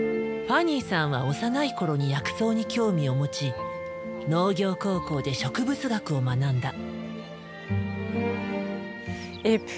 ファニーさんは幼い頃に薬草に興味を持ち農業高校で植物学を学んだ。